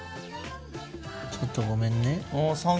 ちょっとごめんね。